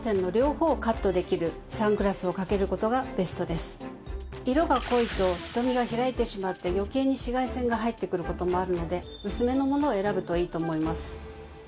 では色が濃いと瞳が開いてしまって余計に紫外線が入ってくる事もあるので薄めのものを選ぶといいと思います。